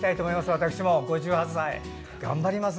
私も５８歳、頑張ります。